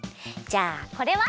じゃあこれは？